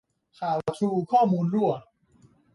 ข่าวทรูข้อมูลรั่ว